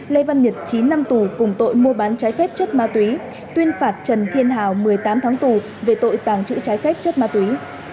lê văn nhật chín năm tù cùng tội mua bán trái phép chất ma túy tuyên phạt trần thiên hào một mươi tám tháng tù về tội tàng trữ trái phép chất ma túy